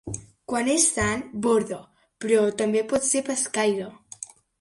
Quan és sant borda, però també pot ser pescaire.